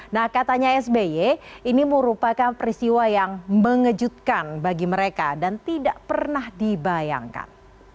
nah katanya sby ini merupakan peristiwa yang mengejutkan bagi mereka dan tidak pernah dibayangkan